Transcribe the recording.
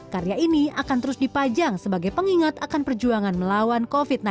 karya ini akan terus dipajang sebagai pengingat akan perjuangan melawan covid sembilan belas